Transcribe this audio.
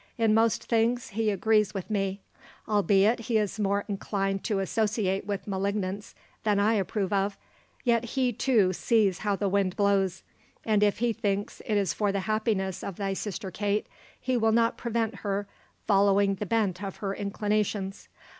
"In most things he agrees with me; albeit he is more inclined to associate with malignants than I approve of, yet he, too, sees how the wind blows, and if he thinks it is for the happiness of thy sister Kate, he will not prevent her following the bent of her inclinations.